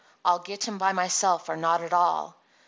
I'll get him by myself or not at all.